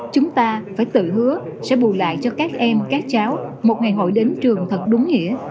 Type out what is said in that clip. chúng ta phải tự hứa sẽ bù lại cho các em các cháu một ngày hội đến trường thật đúng nghĩa